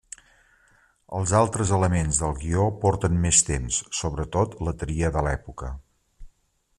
Els altres elements del guió porten més temps, sobretot la tria de l'època.